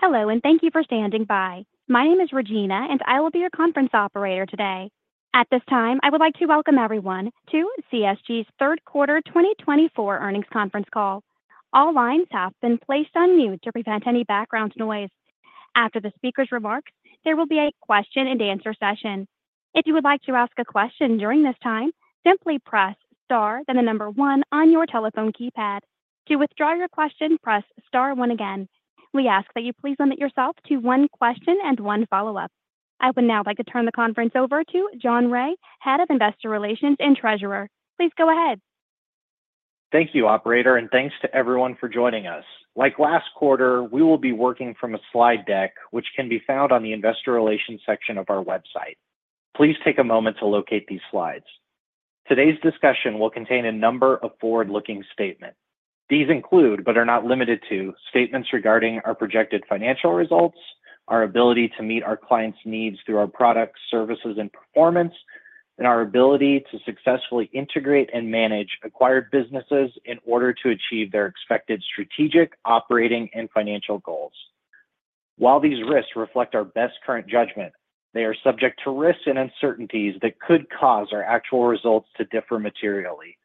Hello, and thank you for standing by. My name is Regina, and I will be your conference operator today. At this time, I would like to welcome everyone to CSG's third quarter 2024 earnings conference call. All lines have been placed on mute to prevent any background noise. After the speaker's remarks, there will be a question-and-answer session. If you would like to ask a question during this time, simply press star then the number one on your telephone keypad. To withdraw your question, press star one again. We ask that you please limit yourself to one question and one follow-up. I would now like to turn the conference over to John Rea, Head of Investor Relations and Treasurer. Please go ahead. Thank you, Operator, and thanks to everyone for joining us. Like last quarter, we will be working from a slide deck, which can be found on the Investor Relations section of our website. Please take a moment to locate these slides. Today's discussion will contain a number of forward-looking statements. These include, but are not limited to, statements regarding our projected financial results, our ability to meet our clients' needs through our products, services, and performance, and our ability to successfully integrate and manage acquired businesses in order to achieve their expected strategic, operating, and financial goals. While these risks reflect our best current judgment, they are subject to risks and uncertainties that could cause our actual results to differ materially.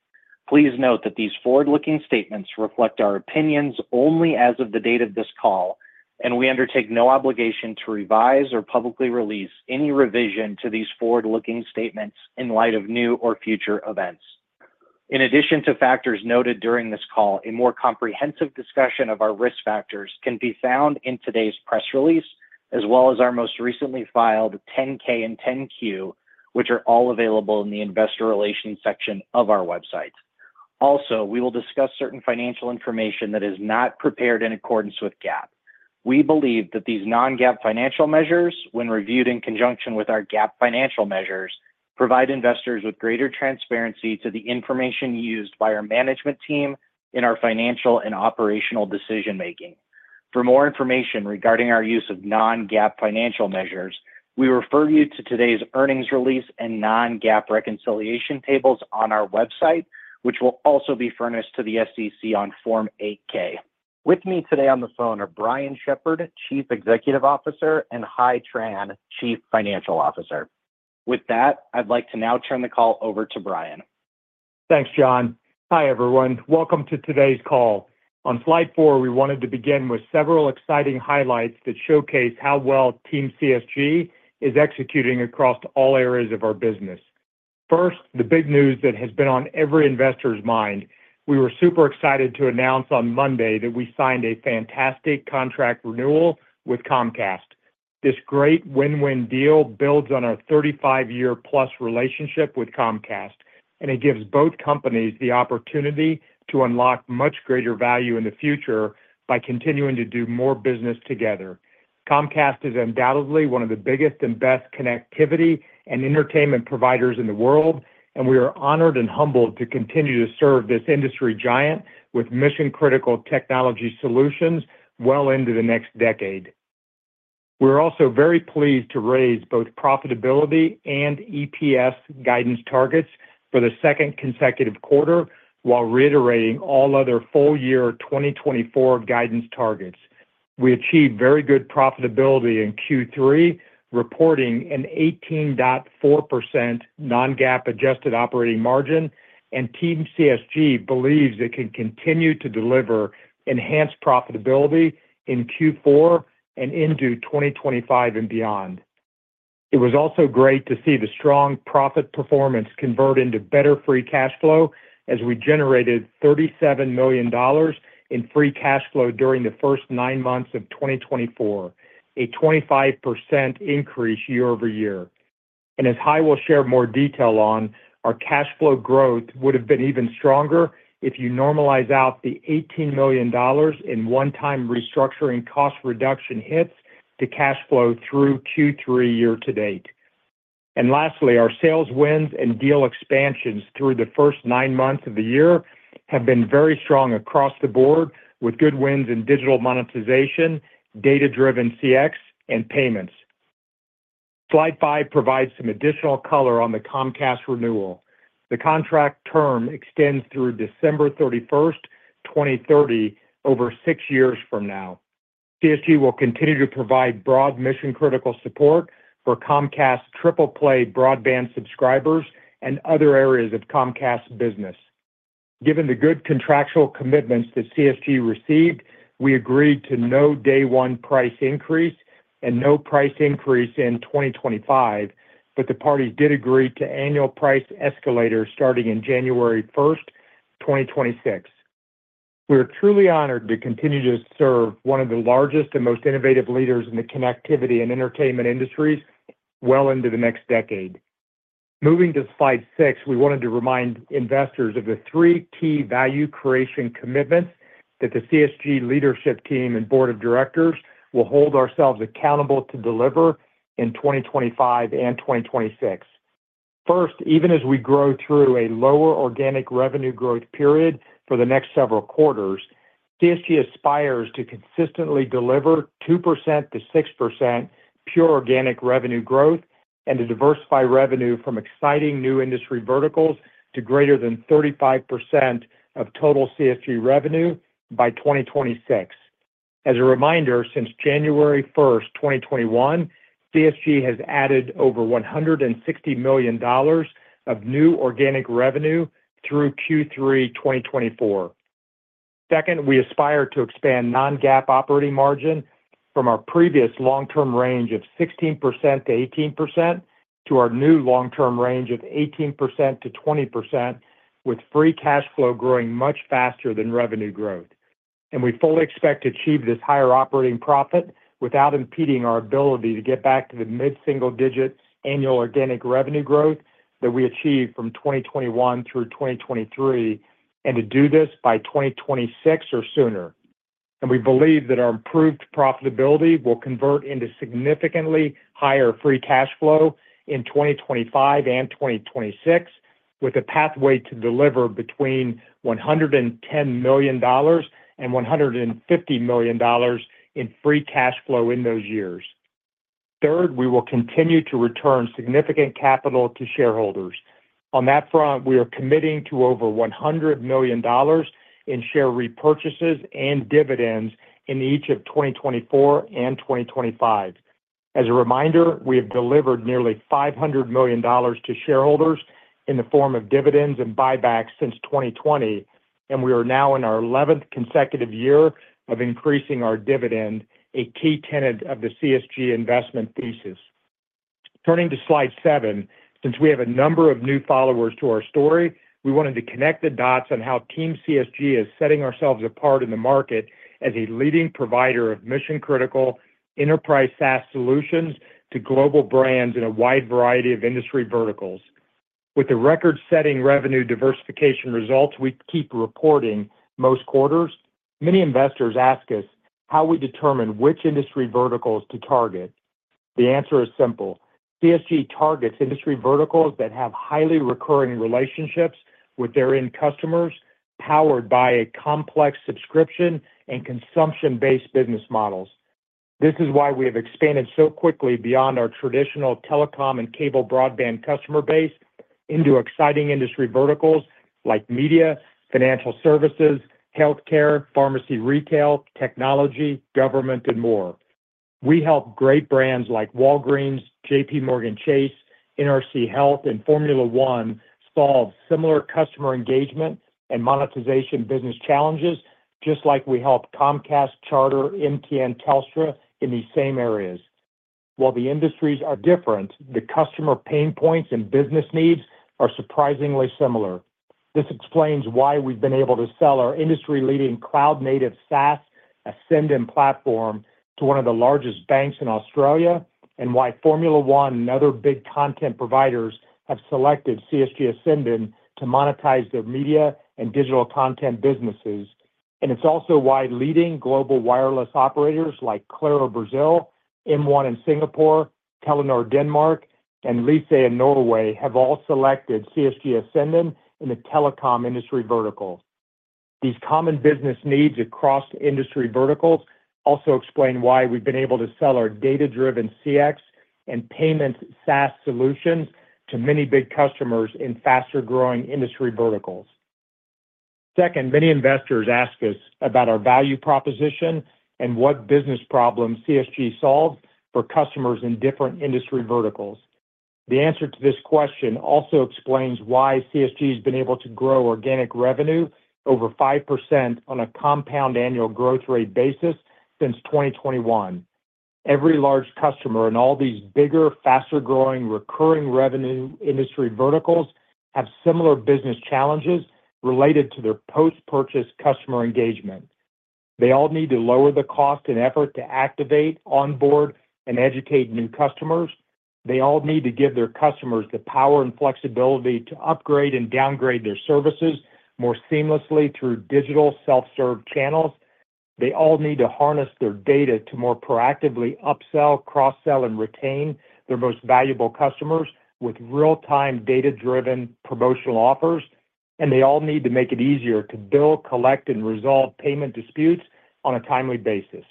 Please note that these forward-looking statements reflect our opinions only as of the date of this call, and we undertake no obligation to revise or publicly release any revision to these forward-looking statements in light of new or future events. In addition to factors noted during this call, a more comprehensive discussion of our risk factors can be found in today's press release, as well as our most recently filed 10-K and 10-Q, which are all available in the Investor Relations section of our website. Also, we will discuss certain financial information that is not prepared in accordance with GAAP. We believe that these non-GAAP financial measures, when reviewed in conjunction with our GAAP financial measures, provide investors with greater transparency to the information used by our management team in our financial and operational decision-making. For more information regarding our use of non-GAAP financial measures, we refer you to today's earnings release and non-GAAP reconciliation tables on our website, which will also be furnished to the SEC on Form 8-K. With me today on the phone are Brian Shepherd, Chief Executive Officer, and Hai Tran, Chief Financial Officer. With that, I'd like to now turn the call over to Brian. Thanks, John. Hi, everyone. Welcome to today's call. On slide four, we wanted to begin with several exciting highlights that showcase how well Team CSG is executing across all areas of our business. First, the big news that has been on every investor's mind. We were super excited to announce on Monday that we signed a fantastic contract renewal with Comcast. This great win-win deal builds on our 35-year-plus relationship with Comcast, and it gives both companies the opportunity to unlock much greater value in the future by continuing to do more business together. Comcast is undoubtedly one of the biggest and best connectivity and entertainment providers in the world, and we are honored and humbled to continue to serve this industry giant with mission-critical technology solutions well into the next decade. We're also very pleased to raise both profitability and EPS guidance targets for the second consecutive quarter while reiterating all other full-year 2024 guidance targets. We achieved very good profitability in Q3, reporting an 18.4% non-GAAP adjusted operating margin, and Team CSG believes it can continue to deliver enhanced profitability in Q4 and into 2025 and beyond. It was also great to see the strong profit performance convert into better free cash flow as we generated $37 million in free cash flow during the first nine months of 2024, a 25% increase year-over-year, and as Hai will share more detail on, our cash flow growth would have been even stronger if you normalize out the $18 million in one-time restructuring cost reduction hits to cash flow through Q3 year to date. Lastly, our sales wins and deal expansions through the first nine months of the year have been very strong across the board with good wins in digital monetization, data-driven CX, and payments. Slide five provides some additional color on the Comcast renewal. The contract term extends through December 31st, 2030, over six years from now. CSG will continue to provide broad mission-critical support for Comcast triple-play broadband subscribers and other areas of Comcast business. Given the good contractual commitments that CSG received, we agreed to no day-one price increase and no price increase in 2025, but the parties did agree to annual price escalators starting in January 1st, 2026. We are truly honored to continue to serve one of the largest and most innovative leaders in the connectivity and entertainment industries well into the next decade. Moving to slide six, we wanted to remind investors of the three key value creation commitments that the CSG leadership team and board of directors will hold ourselves accountable to deliver in 2025 and 2026. First, even as we grow through a lower organic revenue growth period for the next several quarters, CSG aspires to consistently deliver 2%-6% pure organic revenue growth and to diversify revenue from exciting new industry verticals to greater than 35% of total CSG revenue by 2026. As a reminder, since January 1st, 2021, CSG has added over $160 million of new organic revenue through Q3, 2024. Second, we aspire to expand non-GAAP operating margin from our previous long-term range of 16%-18% to our new long-term range of 18%-20%, with free cash flow growing much faster than revenue growth. We fully expect to achieve this higher operating profit without impeding our ability to get back to the mid-single-digit annual organic revenue growth that we achieved from 2021 through 2023, and to do this by 2026 or sooner. We believe that our improved profitability will convert into significantly higher free cash flow in 2025 and 2026, with a pathway to deliver between $110 million and $150 million in free cash flow in those years. Third, we will continue to return significant capital to shareholders. On that front, we are committing to over $100 million in share repurchases and dividends in each of 2024 and 2025. As a reminder, we have delivered nearly $500 million to shareholders in the form of dividends and buybacks since 2020, and we are now in our 11th consecutive year of increasing our dividend, a key tenet of the CSG investment thesis. Turning to slide seven, since we have a number of new followers to our story, we wanted to connect the dots on how Team CSG is setting ourselves apart in the market as a leading provider of mission-critical enterprise SaaS solutions to global brands in a wide variety of industry verticals. With the record-setting revenue diversification results we keep reporting most quarters, many investors ask us how we determine which industry verticals to target. The answer is simple. CSG targets industry verticals that have highly recurring relationships with their end customers, powered by a complex subscription and consumption-based business models. This is why we have expanded so quickly beyond our traditional telecom and cable broadband customer base into exciting industry verticals like media, financial services, healthcare, pharmacy retail, technology, government, and more. We help great brands like Walgreens, JPMorgan Chase, NRC Health, and Formula One solve similar customer engagement and monetization business challenges, just like we help Comcast, Charter, MTN, and Telstra in these same areas. While the industries are different, the customer pain points and business needs are surprisingly similar. This explains why we've been able to sell our industry-leading cloud-native SaaS Ascendon platform to one of the largest banks in Australia, and why Formula One and other big content providers have selected CSG Ascendon to monetize their media and digital content businesses, and it's also why leading global wireless operators like Claro Brazil, M1 in Singapore, Telenor Denmark, and Lyse in Norway have all selected CSG Ascendon in the telecom industry vertical. These common business needs across industry verticals also explain why we've been able to sell our data-driven CX and payments SaaS solutions to many big customers in faster-growing industry verticals. Second, many investors ask us about our value proposition and what business problems CSG solves for customers in different industry verticals. The answer to this question also explains why CSG has been able to grow organic revenue over 5% on a compound annual growth rate basis since 2021. Every large customer in all these bigger, faster-growing, recurring revenue industry verticals has similar business challenges related to their post-purchase customer engagement. They all need to lower the cost and effort to activate, onboard, and educate new customers. They all need to give their customers the power and flexibility to upgrade and downgrade their services more seamlessly through digital self-serve channels. They all need to harness their data to more proactively upsell, cross-sell, and retain their most valuable customers with real-time data-driven promotional offers. And they all need to make it easier to bill, collect, and resolve payment disputes on a timely basis.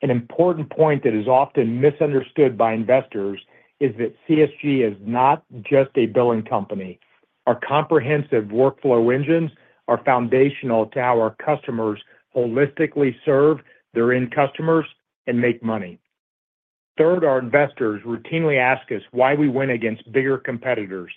An important point that is often misunderstood by investors is that CSG is not just a billing company. Our comprehensive workflow engines are foundational to how our customers holistically serve their end customers and make money. Third, our investors routinely ask us why we win against bigger competitors.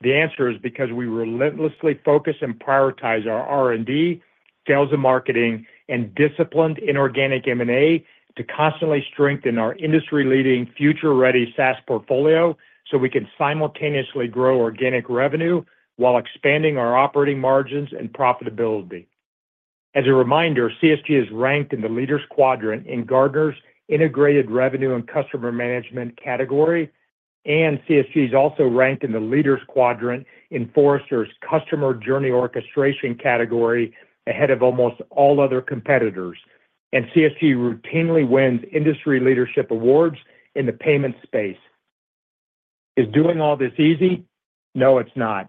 The answer is because we relentlessly focus and prioritize our R&D, sales and marketing, and disciplined inorganic M&A to constantly strengthen our industry-leading future-ready SaaS portfolio so we can simultaneously grow organic revenue while expanding our operating margins and profitability. As a reminder, CSG is ranked in the Leaders quadrant in Gartner's Integrated Revenue and Customer Management category, and CSG is also ranked in the Leaders quadrant in Forrester's Customer Journey Orchestration category ahead of almost all other competitors, and CSG routinely wins industry leadership awards in the payment space. Is doing all this easy? No, it's not.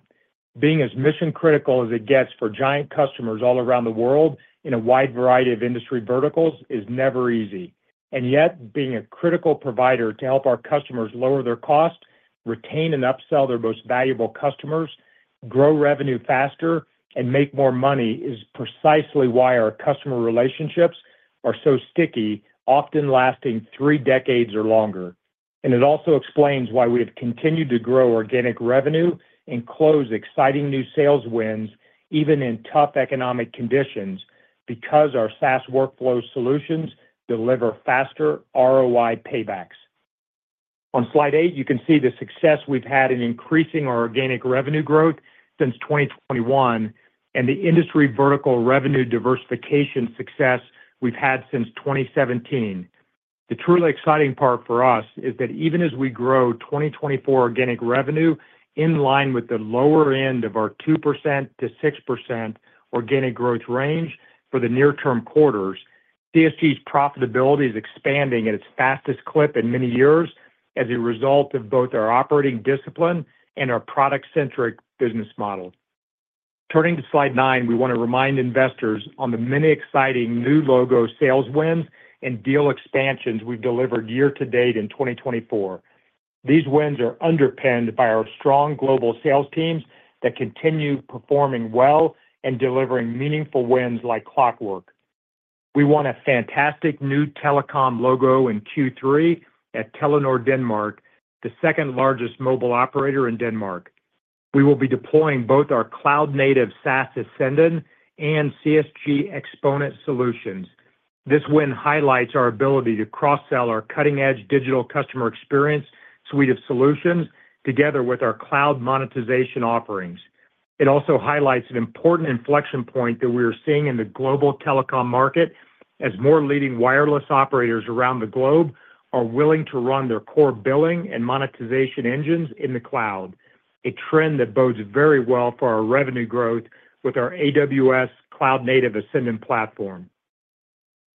Being as mission-critical as it gets for giant customers all around the world in a wide variety of industry verticals is never easy. And yet, being a critical provider to help our customers lower their cost, retain and upsell their most valuable customers, grow revenue faster, and make more money is precisely why our customer relationships are so sticky, often lasting three decades or longer. It also explains why we have continued to grow organic revenue and close exciting new sales wins even in tough economic conditions because our SaaS workflow solutions deliver faster ROI paybacks. On slide eight, you can see the success we've had in increasing our organic revenue growth since 2021 and the industry vertical revenue diversification success we've had since 2017. The truly exciting part for us is that even as we grow 2024 organic revenue in line with the lower end of our 2%-6% organic growth range for the near-term quarters, CSG's profitability is expanding at its fastest clip in many years as a result of both our operating discipline and our product-centric business model. Turning to slide nine, we want to remind investors on the many exciting new logo sales wins and deal expansions we've delivered year to date in 2024. These wins are underpinned by our strong global sales teams that continue performing well and delivering meaningful wins like clockwork. We won a fantastic new telecom logo in Q3 at Telenor Denmark, the second largest mobile operator in Denmark. We will be deploying both our cloud-native SaaS Ascendon and CSG Xponent solutions. This win highlights our ability to cross-sell our cutting-edge digital customer experience suite of solutions together with our cloud monetization offerings. It also highlights an important inflection point that we are seeing in the global telecom market as more leading wireless operators around the globe are willing to run their core billing and monetization engines in the cloud, a trend that bodes very well for our revenue growth with our AWS cloud-native Ascendon platform.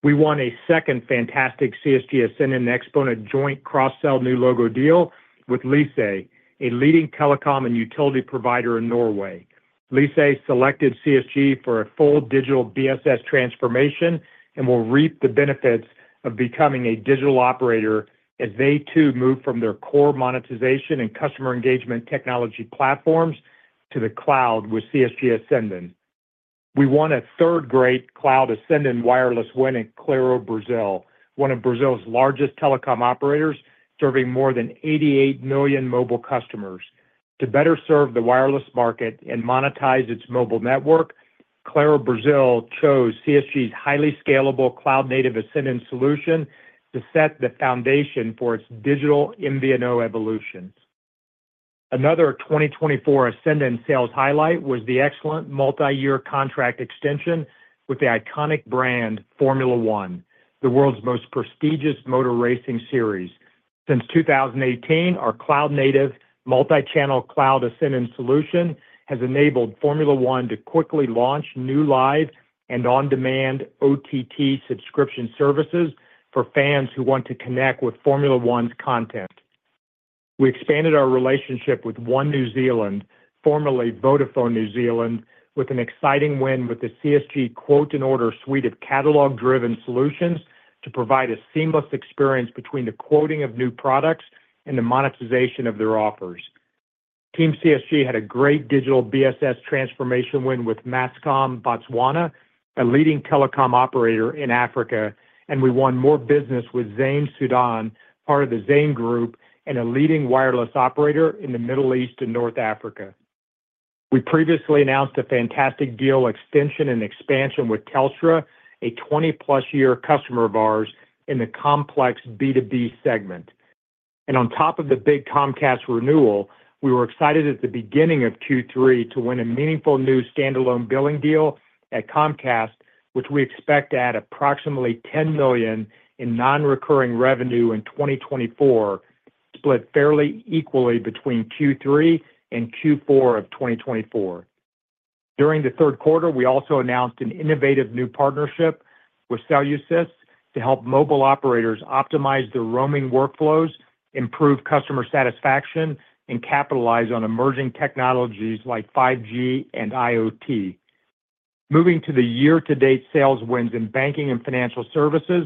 We won a second fantastic CSG Ascendon Xponent joint cross-sell new logo deal with Lyse, a leading telecom and utility provider in Norway. Lyse selected CSG for a full digital BSS transformation and will reap the benefits of becoming a digital operator as they too move from their core monetization and customer engagement technology platforms to the cloud with CSG Ascendon. We won a third large cloud Ascendon wireless win at Claro Brazil, one of Brazil's largest telecom operators serving more than 88 million mobile customers. To better serve the wireless market and monetize its mobile network, Claro Brazil chose CSG's highly scalable cloud-native Ascendon solution to set the foundation for its digital MVNO evolution. Another 2024 Ascendon sales highlight was the excellent multi-year contract extension with the iconic brand Formula One, the world's most prestigious motor racing series. Since 2018, our cloud-native multi-channel cloud Ascendon solution has enabled Formula One to quickly launch new live and on-demand OTT subscription services for fans who want to connect with Formula One's content. We expanded our relationship with One New Zealand, formerly Vodafone New Zealand, with an exciting win with the CSG Quote & Order suite of catalog-driven solutions to provide a seamless experience between the quoting of new products and the monetization of their offers. Team CSG had a great digital BSS transformation win with Mascom Botswana, a leading telecom operator in Africa, and we won more business with Zain Sudan, part of the Zain Group, and a leading wireless operator in the Middle East and North Africa. We previously announced a fantastic deal extension and expansion with Telstra, a 20+ year customer of ours in the complex B2B segment. And on top of the big Comcast renewal, we were excited at the beginning of Q3 to win a meaningful new standalone billing deal at Comcast, which we expect to add approximately $10 million in non-recurring revenue in 2024, split fairly equally between Q3 and Q4 of 2024. During the third quarter, we also announced an innovative new partnership with Cellusys to help mobile operators optimize their roaming workflows, improve customer satisfaction, and capitalize on emerging technologies like 5G and IoT. Moving to the year-to-date sales wins in banking and financial services,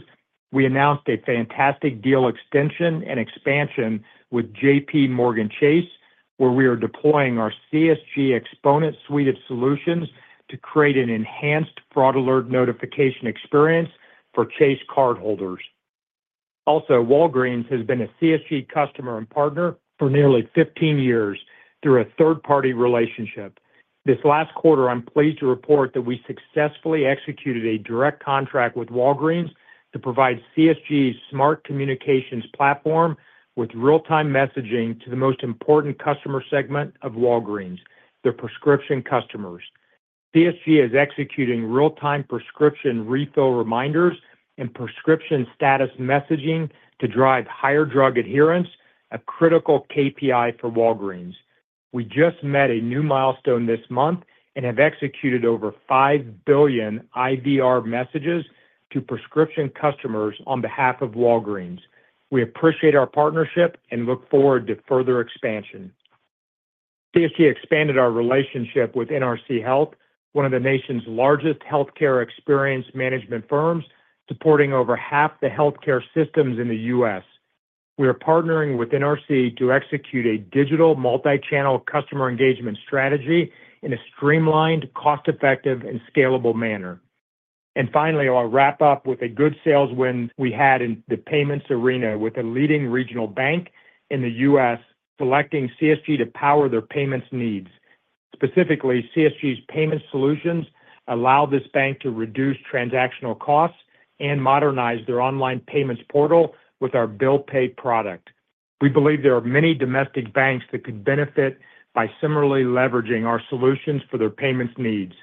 we announced a fantastic deal extension and expansion with JPMorgan Chase, where we are deploying our CSG Xponent suite of solutions to create an enhanced fraud alert notification experience for Chase cardholders. Also, Walgreens has been a CSG customer and partner for nearly 15 years through a third-party relationship. This last quarter, I'm pleased to report that we successfully executed a direct contract with Walgreens to provide CSG's smart communications platform with real-time messaging to the most important customer segment of Walgreens, their prescription customers. CSG is executing real-time prescription refill reminders and prescription status messaging to drive higher drug adherence, a critical KPI for Walgreens. We just met a new milestone this month and have executed over five billion IVR messages to prescription customers on behalf of Walgreens. We appreciate our partnership and look forward to further expansion. CSG expanded our relationship with NRC Health, one of the nation's largest healthcare experience management firms, supporting over half the healthcare systems in the U.S. We are partnering with NRC to execute a digital multi-channel customer engagement strategy in a streamlined, cost-effective, and scalable manner. Finally, I'll wrap up with a good sales win we had in the payments arena with a leading regional bank in the U.S., selecting CSG to power their payments needs. Specifically, CSG's payment solutions allow this bank to reduce transactional costs and modernize their online payments portal with our bill pay product. We believe there are many domestic banks that could benefit by similarly leveraging our solutions for their payments needs.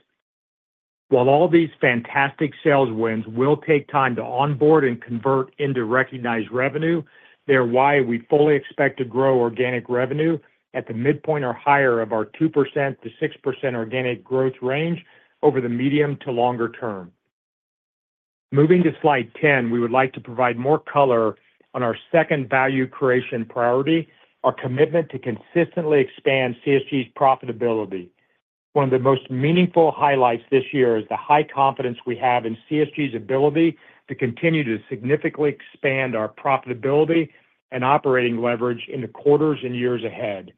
While all these fantastic sales wins will take time to onboard and convert into recognized revenue, they are why we fully expect to grow organic revenue at the midpoint or higher of our 2%-6% organic growth range over the medium to longer term. Moving to slide 10, we would like to provide more color on our second value creation priority, our commitment to consistently expand CSG's profitability. One of the most meaningful highlights this year is the high confidence we have in CSG's ability to continue to significantly expand our profitability and operating leverage in the quarters and years ahead.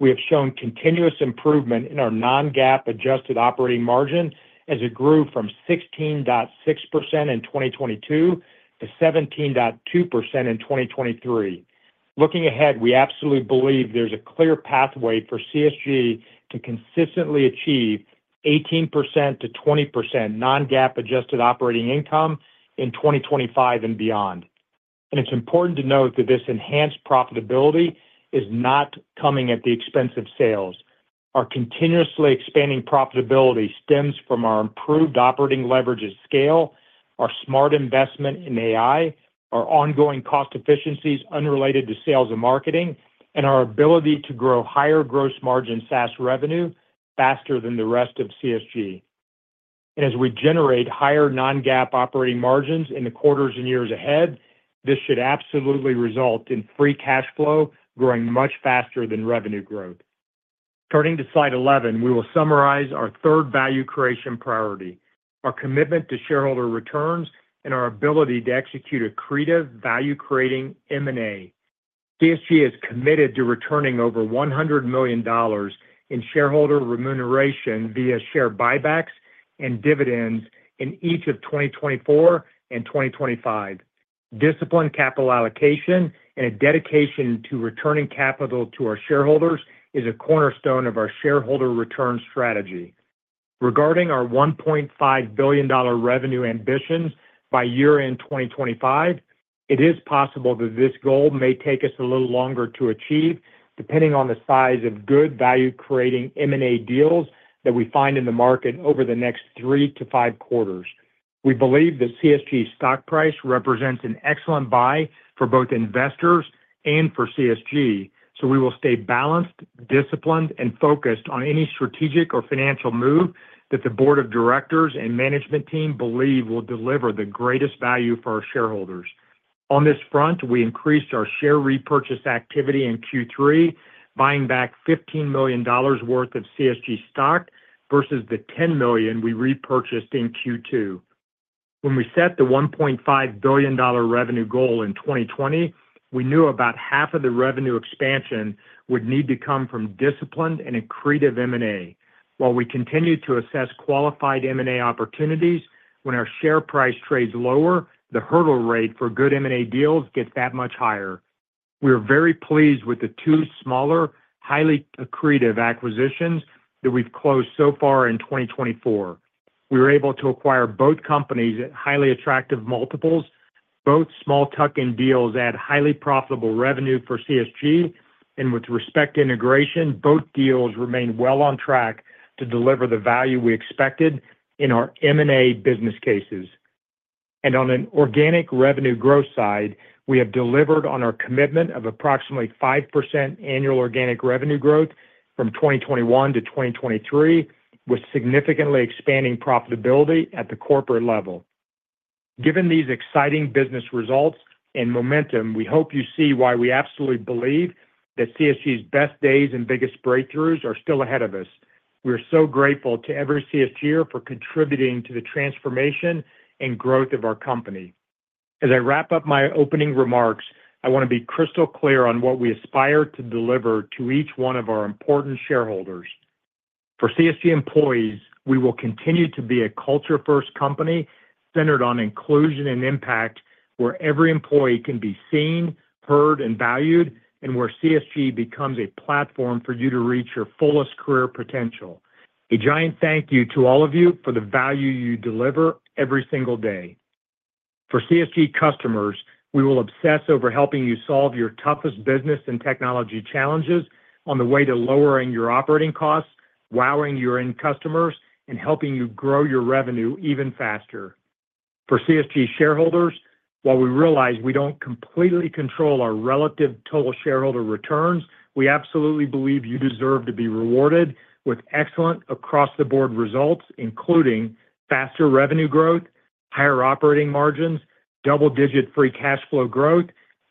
We have shown continuous improvement in our non-GAAP adjusted operating margin as it grew from 16.6% in 2022 to 17.2% in 2023. Looking ahead, we absolutely believe there's a clear pathway for CSG to consistently achieve 18%-20% non-GAAP adjusted operating income in 2025 and beyond, and it's important to note that this enhanced profitability is not coming at the expense of sales. Our continuously expanding profitability stems from our improved operating leverage at scale, our smart investment in AI, our ongoing cost efficiencies unrelated to sales and marketing, and our ability to grow higher gross margin SaaS revenue faster than the rest of CSG. As we generate higher non-GAAP operating margins in the quarters and years ahead, this should absolutely result in free cash flow growing much faster than revenue growth. Turning to slide 11, we will summarize our third value creation priority, our commitment to shareholder returns, and our ability to execute a creative value-creating M&A. CSG is committed to returning over $100 million in shareholder remuneration via share buybacks and dividends in each of 2024 and 2025. Disciplined capital allocation and a dedication to returning capital to our shareholders is a cornerstone of our shareholder return strategy. Regarding our $1.5 billion revenue ambitions by year-end 2025, it is possible that this goal may take us a little longer to achieve, depending on the size of good value-creating M&A deals that we find in the market over the next three to five quarters. We believe that CSG's stock price represents an excellent buy for both investors and for CSG, so we will stay balanced, disciplined, and focused on any strategic or financial move that the board of directors and management team believe will deliver the greatest value for our shareholders. On this front, we increased our share repurchase activity in Q3, buying back $15 million worth of CSG stock versus the $10 million we repurchased in Q2. When we set the $1.5 billion revenue goal in 2020, we knew about half of the revenue expansion would need to come from disciplined and accretive M&A. While we continue to assess qualified M&A opportunities, when our share price trades lower, the hurdle rate for good M&A deals gets that much higher. We are very pleased with the two smaller, highly accretive acquisitions that we've closed so far in 2024. We were able to acquire both companies at highly attractive multiples. Both small-tuck-in deals add highly profitable revenue for CSG, and with respect to integration, both deals remain well on track to deliver the value we expected in our M&A business cases. And on an organic revenue growth side, we have delivered on our commitment of approximately 5% annual organic revenue growth from 2021 to 2023, with significantly expanding profitability at the corporate level. Given these exciting business results and momentum, we hope you see why we absolutely believe that CSG's best days and biggest breakthroughs are still ahead of us. We are so grateful to every CSGer for contributing to the transformation and growth of our company. As I wrap up my opening remarks, I want to be crystal clear on what we aspire to deliver to each one of our important shareholders. For CSG employees, we will continue to be a culture-first company centered on inclusion and impact, where every employee can be seen, heard, and valued, and where CSG becomes a platform for you to reach your fullest career potential. A giant thank you to all of you for the value you deliver every single day. For CSG customers, we will obsess over helping you solve your toughest business and technology challenges on the way to lowering your operating costs, wowing your end customers, and helping you grow your revenue even faster. For CSG shareholders, while we realize we don't completely control our relative total shareholder returns, we absolutely believe you deserve to be rewarded with excellent across-the-board results, including faster revenue growth, higher operating margins, double-digit free cash flow growth,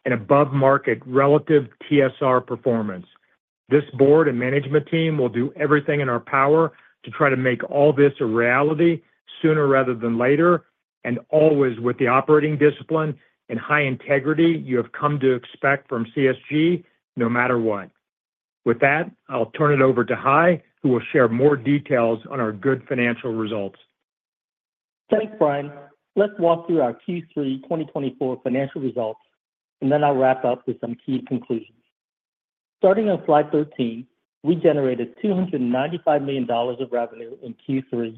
and above-market relative TSR performance. This board and management team will do everything in our power to try to make all this a reality sooner rather than later, and always with the operating discipline and high integrity you have come to expect from CSG no matter what. With that, I'll turn it over to Hai, who will share more details on our good financial results. Thanks, Brian. Let's walk through our Q3 2024 financial results, and then I'll wrap up with some key conclusions. Starting on slide 13, we generated $295 million of revenue in Q3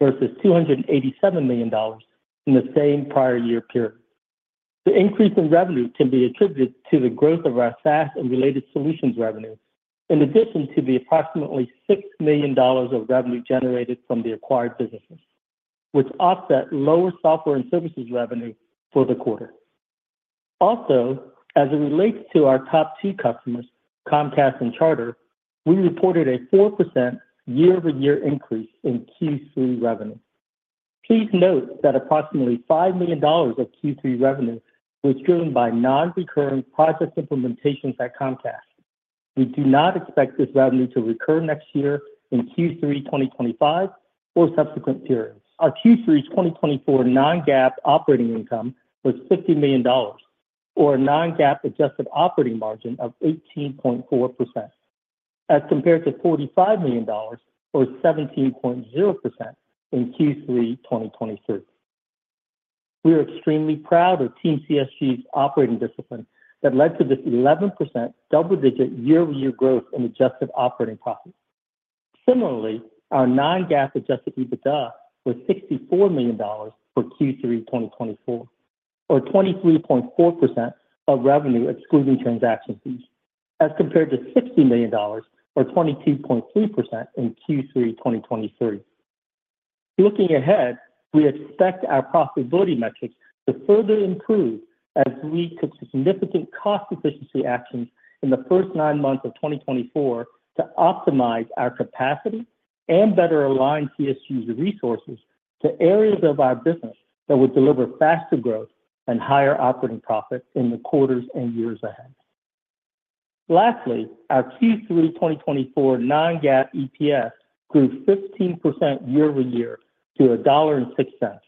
versus $287 million in the same prior year period. The increase in revenue can be attributed to the growth of our SaaS and related solutions revenue, in addition to the approximately $6 million of revenue generated from the acquired businesses, which offset lower software and services revenue for the quarter. Also, as it relates to our top two customers, Comcast and Charter, we reported a 4% year-over-year increase in Q3 revenue. Please note that approximately $5 million of Q3 revenue was driven by non-recurring project implementations at Comcast. We do not expect this revenue to recur next year in Q3 2025 or subsequent periods. Our Q3 2024 non-GAAP operating income was $50 million, or a non-GAAP adjusted operating margin of 18.4%, as compared to $45 million or 17.0% in Q3 2023. We are extremely proud of Team CSG's operating discipline that led to this 11% double-digit year-over-year growth in adjusted operating profits. Similarly, our non-GAAP adjusted EBITDA was $64 million for Q3 2024, or 23.4% of revenue excluding transaction fees, as compared to $60 million or 22.3% in Q3 2023. Looking ahead, we expect our profitability metrics to further improve as we took significant cost-efficiency actions in the first nine months of 2024 to optimize our capacity and better align CSG's resources to areas of our business that would deliver faster growth and higher operating profits in the quarters and years ahead. Lastly, our Q3 2024 non-GAAP EPS grew 15% year-over-year to $1.06,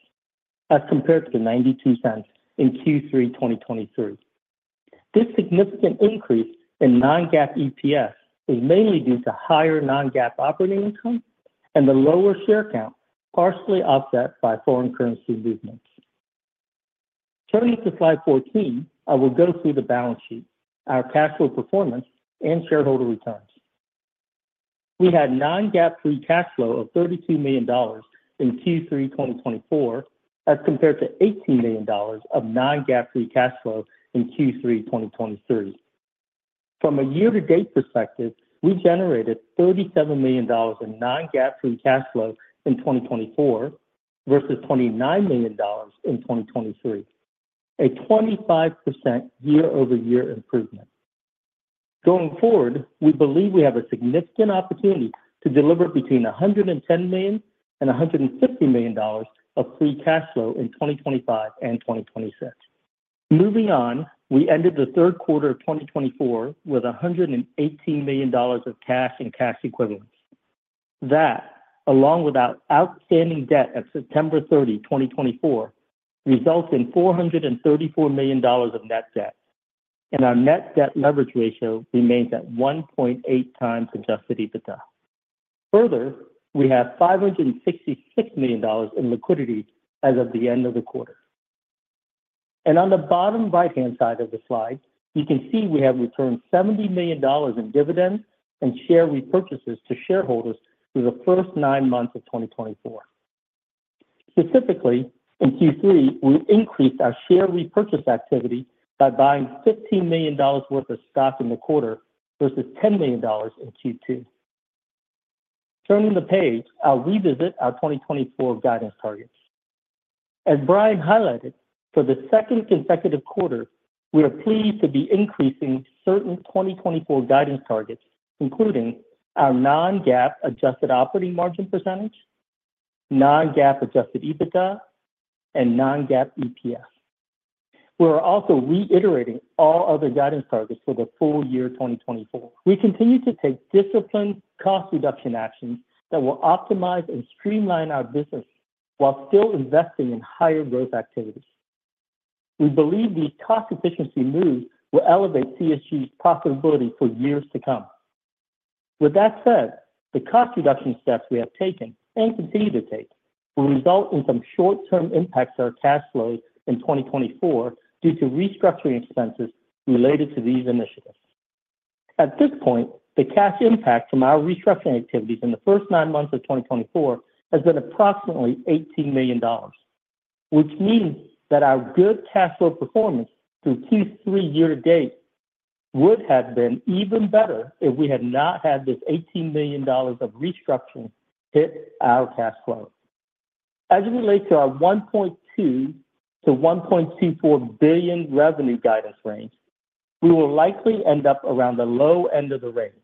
as compared to $0.92 in Q3 2023. This significant increase in non-GAAP EPS is mainly due to higher non-GAAP operating income and the lower share count, partially offset by foreign currency movements. Turning to slide 14, I will go through the balance sheet, our cash flow performance, and shareholder returns. We had non-GAAP free cash flow of $32 million in Q3 2024, as compared to $18 million of non-GAAP free cash flow in Q3 2023. From a year-to-date perspective, we generated $37 million in non-GAAP free cash flow in 2024 versus $29 million in 2023, a 25% year-over-year improvement. Going forward, we believe we have a significant opportunity to deliver between $110 million and $150 million of free cash flow in 2025 and 2026. Moving on, we ended the third quarter of 2024 with $118 million of cash and cash equivalents. That, along with our outstanding debt at September 30, 2024, results in $434 million of net debt, and our net debt leverage ratio remains at 1.8x adjusted EBITDA. Further, we have $566 million in liquidity as of the end of the quarter. And on the bottom right-hand side of the slide, you can see we have returned $70 million in dividends and share repurchases to shareholders through the first nine months of 2024. Specifically, in Q3, we increased our share repurchase activity by buying $15 million worth of stock in the quarter versus $10 million in Q2. Turning the page, I'll revisit our 2024 guidance targets. As Brian highlighted, for the second consecutive quarter, we are pleased to be increasing certain 2024 guidance targets, including our non-GAAP adjusted operating margin percentage, non-GAAP adjusted EBITDA, and non-GAAP EPS. We are also reiterating all other guidance targets for the full year 2024. We continue to take disciplined cost reduction actions that will optimize and streamline our business while still investing in higher growth activities. We believe these cost efficiency moves will elevate CSG's profitability for years to come. With that said, the cost reduction steps we have taken and continue to take will result in some short-term impacts to our cash flow in 2024 due to restructuring expenses related to these initiatives. At this point, the cash impact from our restructuring activities in the first nine months of 2024 has been approximately $18 million, which means that our good cash flow performance through Q3 year-to-date would have been even better if we had not had this $18 million of restructuring hit our cash flow. As it relates to our $1.2 billion-$1.24 billion revenue guidance range, we will likely end up around the low end of the range,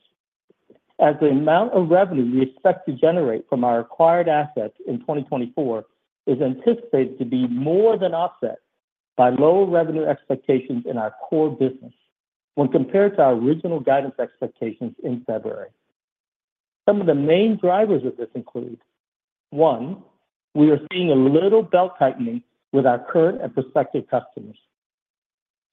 as the amount of revenue we expect to generate from our acquired assets in 2024 is anticipated to be more than offset by lower revenue expectations in our core business when compared to our original guidance expectations in February. Some of the main drivers of this include: one, we are seeing a little belt tightening with our current and prospective customers;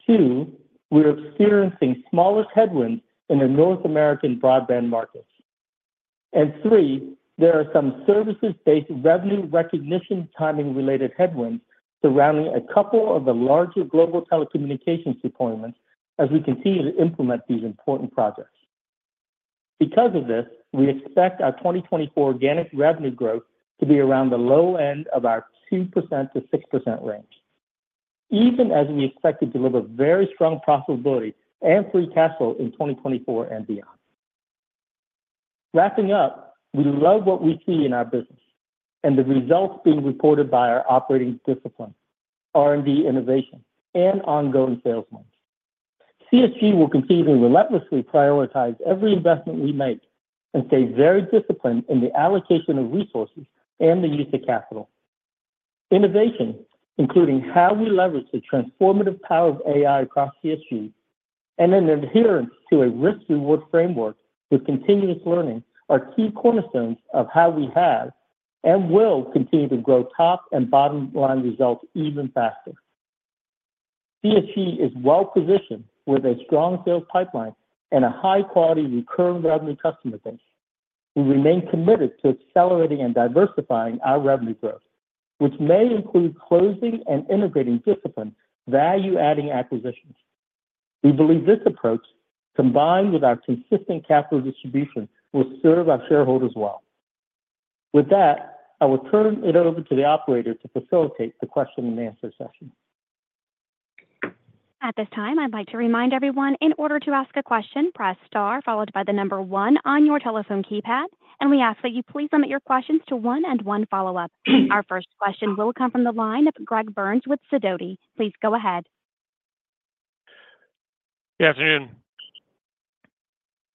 two, we are experiencing smaller headwinds in the North American broadband markets; and three, there are some services-based revenue recognition timing-related headwinds surrounding a couple of the larger global telecommunications deployments as we continue to implement these important projects. Because of this, we expect our 2024 organic revenue growth to be around the low end of our 2%-6% range, even as we expect to deliver very strong profitability and free cash flow in 2024 and beyond. Wrapping up, we love what we see in our business and the results being reported by our operating discipline, R&D innovation, and ongoing sales momentum. CSG will continue to relentlessly prioritize every investment we make and stay very disciplined in the allocation of resources and the use of capital. Innovation, including how we leverage the transformative power of AI across CSG and an adherence to a risk-reward framework with continuous learning, are key cornerstones of how we have and will continue to grow top and bottom-line results even faster. CSG is well-positioned with a strong sales pipeline and a high-quality recurring revenue customer base. We remain committed to accelerating and diversifying our revenue growth, which may include closing and integrating disciplined value-adding acquisitions. We believe this approach, combined with our consistent capital distribution, will serve our shareholders well. With that, I will turn it over to the operator to facilitate the question-and-answer session. At this time, I'd like to remind everyone, in order to ask a question, press star followed by the number one on your telephone keypad, and we ask that you please limit your questions to one and one follow-up. Our first question will come from the line of Greg Burns with Sidoti. Please go ahead. Good afternoon.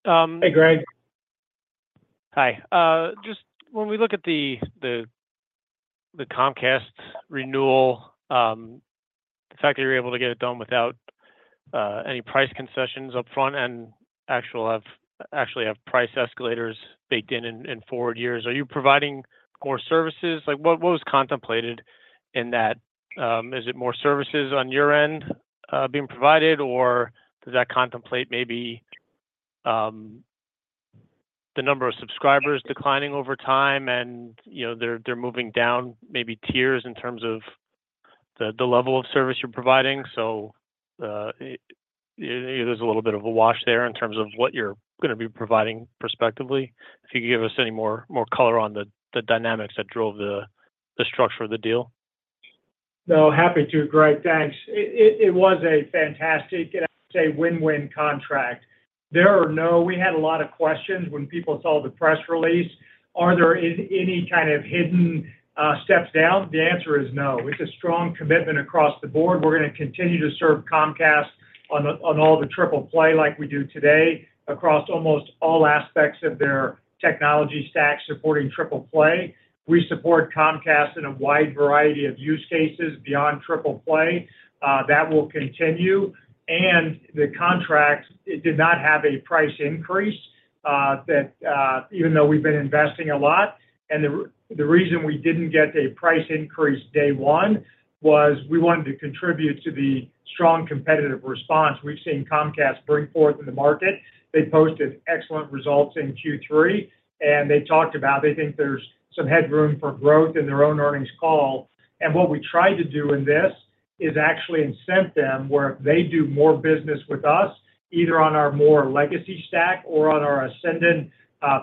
Hey, Greg. Hi. Just when we look at the Comcast renewal, the fact that you're able to get it done without any price concessions upfront and actually have price escalators baked in in forward years, are you providing more services? What was contemplated in that? Is it more services on your end being provided, or does that contemplate maybe the number of subscribers declining over time and they're moving down maybe tiers in terms of the level of service you're providing? So there's a little bit of a wash there in terms of what you're going to be providing prospectively. If you could give us any more color on the dynamics that drove the structure of the deal. No, happy to, Greg. Thanks. It was a fantastic, say, win-win contract. There are no. We had a lot of questions when people saw the press release. Are there any kind of hidden steps down? The answer is no. It's a strong commitment across the board. We're going to continue to serve Comcast on all the triple play like we do today across almost all aspects of their technology stack supporting triple play. We support Comcast in a wide variety of use cases beyond triple play. That will continue. And the contract did not have a price increase that, even though we've been investing a lot. And the reason we didn't get a price increase day one was we wanted to contribute to the strong competitive response we've seen Comcast bring forth in the market. They posted excellent results in Q3, and they talked about they think there's some headroom for growth in their own earnings call. And what we tried to do in this is actually incent them where if they do more business with us, either on our more legacy stack or on our Ascendon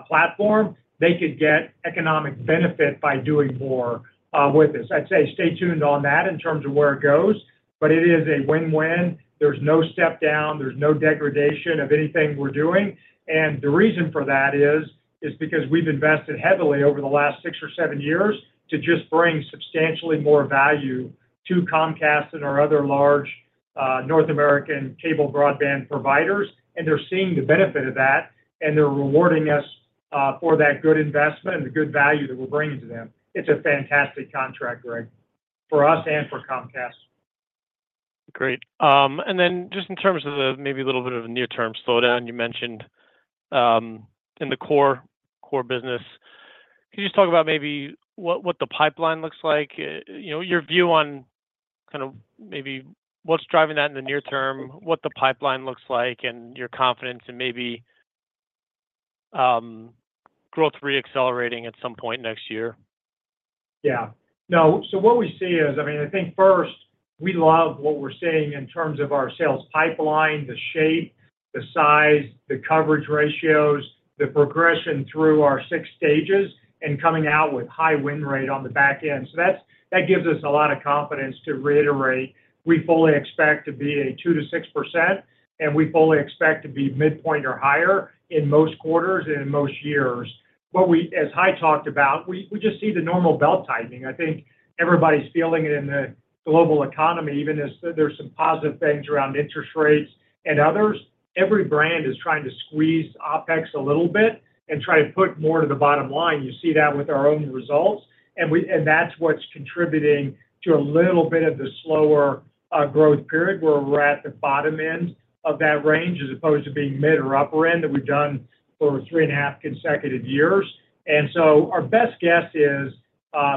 platform, they could get economic benefit by doing more with us. I'd say stay tuned on that in terms of where it goes, but it is a win-win. There's no step down. There's no degradation of anything we're doing. And the reason for that is because we've invested heavily over the last six or seven years to just bring substantially more value to Comcast and our other large North American cable broadband providers, and they're seeing the benefit of that, and they're rewarding us for that good investment and the good value that we're bringing to them. It's a fantastic contract, Greg, for us and for Comcast. Great. And then just in terms of the maybe a little bit of a near-term slowdown, you mentioned in the core business, could you just talk about maybe what the pipeline looks like, your view on kind of maybe what's driving that in the near term, what the pipeline looks like, and your confidence in maybe growth re-accelerating at some point next year? Yeah. No, so what we see is, I mean, I think first, we love what we're seeing in terms of our sales pipeline, the shape, the size, the coverage ratios, the progression through our six stages, and coming out with high win rate on the back end. So that gives us a lot of confidence to reiterate we fully expect to be 2%-6%, and we fully expect to be midpoint or higher in most quarters and in most years. But as Hai talked about, we just see the normal belt tightening. I think everybody's feeling it in the global economy, even as there's some positive things around interest rates and others. Every brand is trying to squeeze OpEx a little bit and try to put more to the bottom line. You see that with our own results, and that's what's contributing to a little bit of the slower growth period where we're at the bottom end of that range as opposed to being mid or upper end that we've done for three and a half consecutive years. And so our best guess is,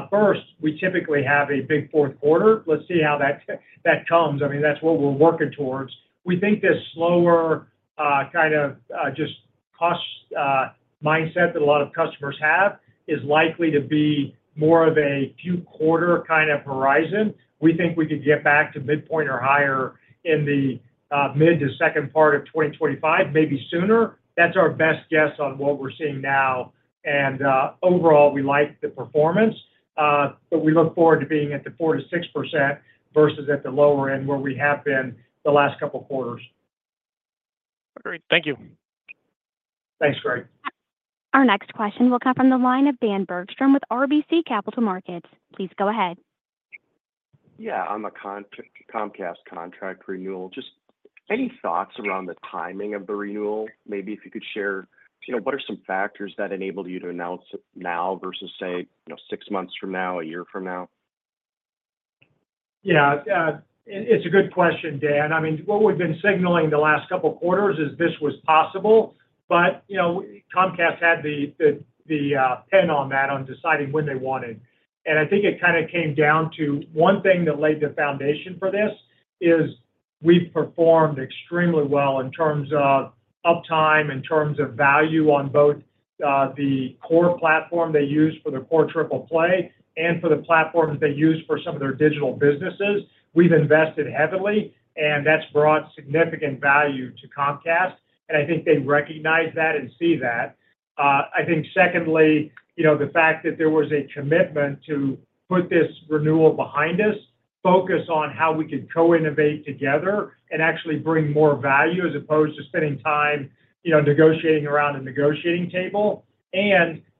first, we typically have a big fourth quarter. Let's see how that comes. I mean, that's what we're working towards. We think this slower kind of just cost mindset that a lot of customers have is likely to be more of a few quarter kind of horizon. We think we could get back to midpoint or higher in the mid to second part of 2025, maybe sooner. That's our best guess on what we're seeing now. Overall, we like the performance, but we look forward to being at the 4%-6% versus at the lower end where we have been the last couple of quarters. Great. Thank you. Thanks, Greg. Our next question will come from the line of Dan Bergstrom with RBC Capital Markets. Please go ahead. Yeah, on the Comcast contract renewal. Just any thoughts around the timing of the renewal? Maybe if you could share what are some factors that enabled you to announce it now versus, say, six months from now, a year from now? Yeah, it's a good question, Dan. I mean, what we've been signaling the last couple of quarters is this was possible, but Comcast had the pen on that on deciding when they wanted. And I think it kind of came down to one thing that laid the foundation for this is we've performed extremely well in terms of uptime, in terms of value on both the core platform they use for the core triple play and for the platforms they use for some of their digital businesses. We've invested heavily, and that's brought significant value to Comcast, and I think they recognize that and see that. I think secondly, the fact that there was a commitment to put this renewal behind us, focus on how we could co-innovate together and actually bring more value as opposed to spending time negotiating around a negotiating table.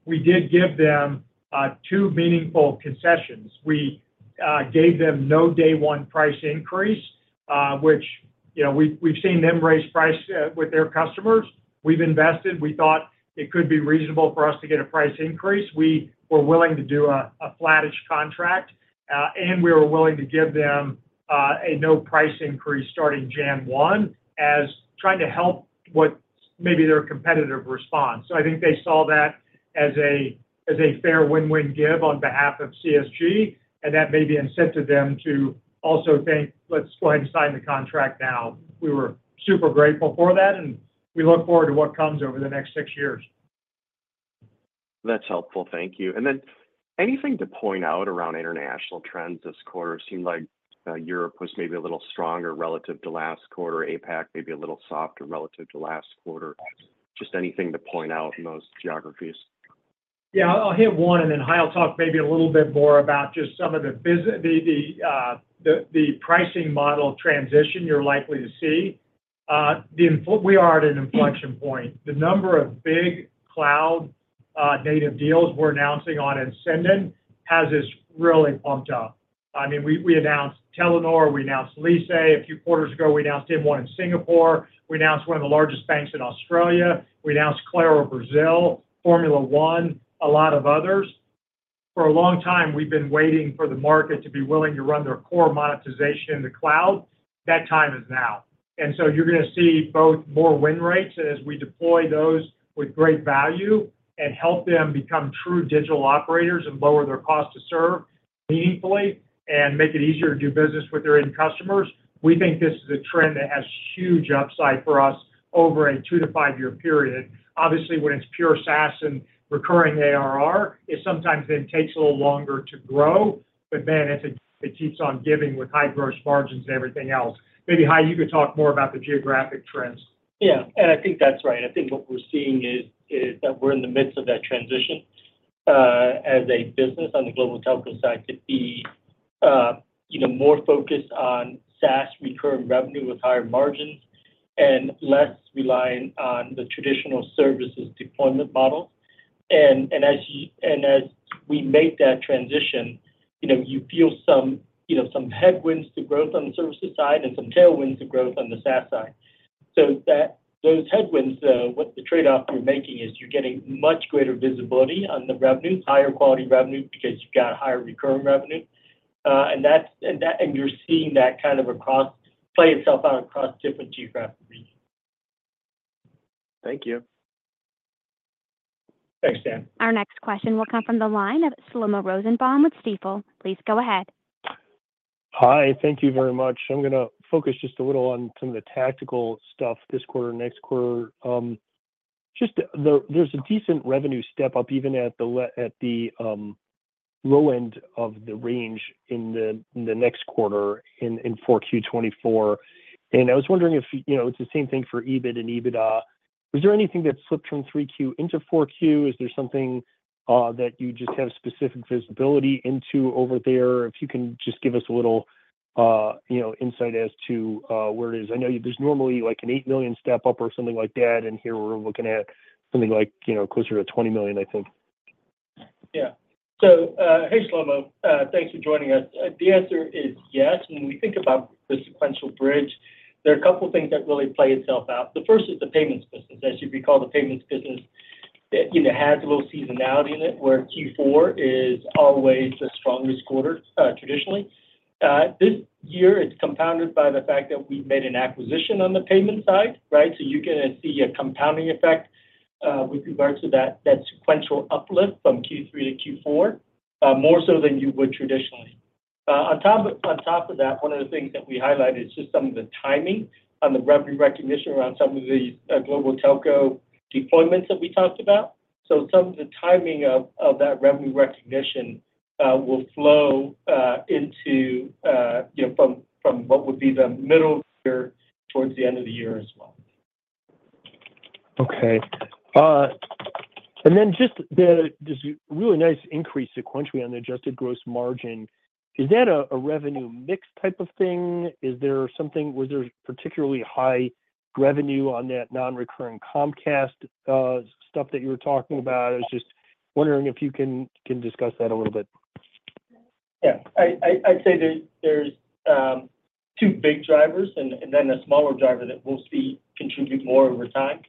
We did give them two meaningful concessions. We gave them no day-one price increase, which we've seen them raise price with their customers. We've invested. We thought it could be reasonable for us to get a price increase. We were willing to do a flattish contract, and we were willing to give them a no-price increase starting January 1 as trying to help what maybe their competitive response. I think they saw that as a fair win-win give on behalf of CSG, and that may be incented them to also think, "Let's go ahead and sign the contract now." We were super grateful for that, and we look forward to what comes over the next six years. That's helpful. Thank you. And then anything to point out around international trends this quarter? It seemed like Europe was maybe a little stronger relative to last quarter, APAC maybe a little softer relative to last quarter. Just anything to point out in those geographies? Yeah, I'll hit one, and then I'll talk maybe a little bit more about just some of the pricing model transition you're likely to see. We are at an inflection point. The number of big cloud native deals we're announcing on Ascendon has just really pumped up. I mean, we announced Telenor, we announced Lyse a few quarters ago, we announced M1 in Singapore, we announced one of the largest banks in Australia, we announced Claro Brazil, Formula One, a lot of others. For a long time, we've been waiting for the market to be willing to run their core monetization in the cloud. That time is now. And so you're going to see both more win rates as we deploy those with great value and help them become true digital operators and lower their cost to serve meaningfully and make it easier to do business with their end customers. We think this is a trend that has huge upside for us over a two to five-year period. Obviously, when it's pure SaaS and recurring ARR, it sometimes then takes a little longer to grow, but then it keeps on giving with high gross margins and everything else. Maybe, Hai, you could talk more about the geographic trends. Yeah, and I think that's right. I think what we're seeing is that we're in the midst of that transition as a business on the global telco side to be more focused on SaaS recurring revenue with higher margins and less relying on the traditional services deployment models. And as we make that transition, you feel some headwinds to growth on the services side and some tailwinds to growth on the SaaS side. So those headwinds, the trade-off you're making is you're getting much greater visibility on the revenue, higher quality revenue because you've got higher recurring revenue, and you're seeing that kind of play itself out across different geographic regions. Thank you. Thanks, Dan. Our next question will come from the line of Shlomo Rosenbaum with Stifel. Please go ahead. Hi, thank you very much. I'm going to focus just a little on some of the tactical stuff this quarter, next quarter. Just, there's a decent revenue step up even at the low end of the range in the next quarter in 4Q 2024, and I was wondering if it's the same thing for EBIT and EBITDA? Is there anything that slipped from 3Q into 4Q? Is there something that you just have specific visibility into over there? If you can just give us a little insight as to where it is. I know there's normally like an $8 million step up or something like that, and here we're looking at something like closer to $20 million, I think. Yeah. So hey, Shlomo, thanks for joining us. The answer is yes. When we think about the sequential bridge, there are a couple of things that really play itself out. The first is the payments business. As you recall, the payments business has a little seasonality in it where Q4 is always the strongest quarter traditionally. This year, it's compounded by the fact that we've made an acquisition on the payment side, right? So you're going to see a compounding effect with regards to that sequential uplift from Q3 to Q4, more so than you would traditionally. On top of that, one of the things that we highlighted is just some of the timing on the revenue recognition around some of these global telco deployments that we talked about. So some of the timing of that revenue recognition will flow into from what would be the middle of the year towards the end of the year as well. Okay. Then just there's a really nice increase sequentially on the adjusted gross margin. Is that a revenue mix type of thing? Is there something? Was there particularly high revenue on that non-recurring Comcast stuff that you were talking about? I was just wondering if you can discuss that a little bit. Yeah. I'd say there's two big drivers and then a smaller driver that we'll see contribute more over time.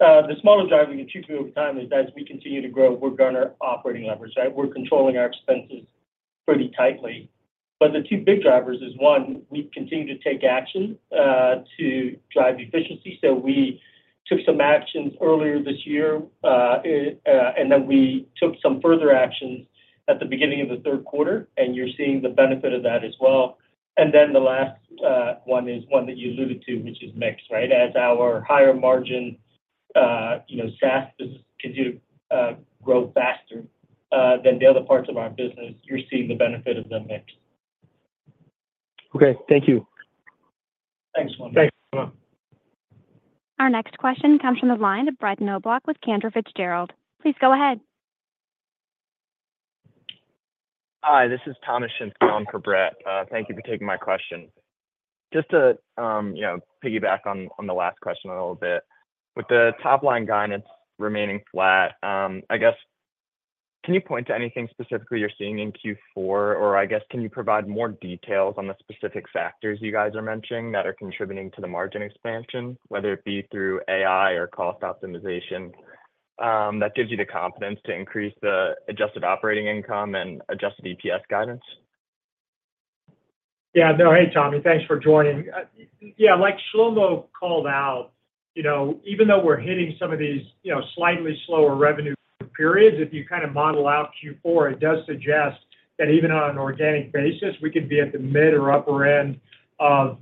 The smaller driver that contributes over time is as we continue to grow, we're going to operating leverage, right? We're controlling our expenses pretty tightly. But the two big drivers is one, we continue to take action to drive efficiency. So we took some actions earlier this year, and then we took some further actions at the beginning of the third quarter, and you're seeing the benefit of that as well. And then the last one is one that you alluded to, which is mix, right? As our higher margin SaaS business continues to grow faster than the other parts of our business, you're seeing the benefit of the mix. Okay. Thank you. Thanks, Shlomo. Thanks, Shlomo. Our next question comes from the line of Brett Knoblauch with Cantor Fitzgerald. Please go ahead. Hi, this is Thomas Shinske for Brett. Thank you for taking my question. Just to piggyback on the last question a little bit, with the top-line guidance remaining flat, I guess, can you point to anything specifically you're seeing in Q4? Or I guess, can you provide more details on the specific factors you guys are mentioning that are contributing to the margin expansion, whether it be through AI or cost optimization, that gives you the confidence to increase the adjusted operating income and adjusted EPS guidance? Yeah. No, hey, Tommy, thanks for joining. Yeah, like Shlomo called out, even though we're hitting some of these slightly slower revenue periods, if you kind of model out Q4, it does suggest that even on an organic basis, we could be at the mid or upper end of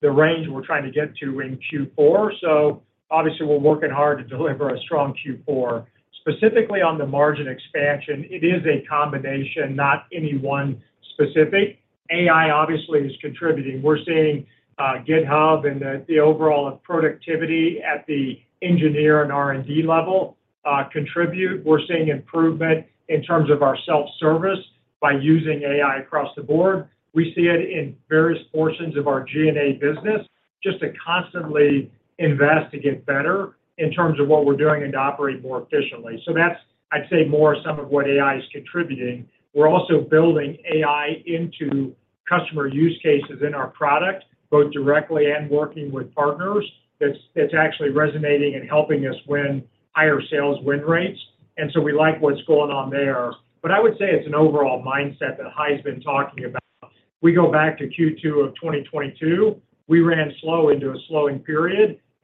the range we're trying to get to in Q4. So obviously, we're working hard to deliver a strong Q4. Specifically on the margin expansion, it is a combination, not any one specific. AI obviously is contributing. We're seeing GitHub and the overall productivity at the engineer and R&D level contribute. We're seeing improvement in terms of our self-service by using AI across the board. We see it in various portions of our G&A business just to constantly invest to get better in terms of what we're doing and to operate more efficiently. That's, I'd say, more some of what AI is contributing. We're also building AI into customer use cases in our product, both directly and working with partners. It's actually resonating and helping us win higher sales win rates. And so we like what's going on there. But I would say it's an overall mindset that Hai's been talking about. We go back to Q2 of 2022. We ran slow into a slowing